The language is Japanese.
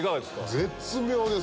絶妙です！